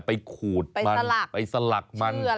ขูดมันไปสลักมัน